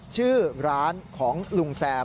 ชื่อร้านของลุงแซม